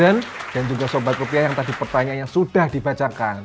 kemudian dan juga sobat rupiah yang tadi pertanyaannya sudah dibacakan